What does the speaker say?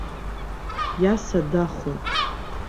Иаса дахоит.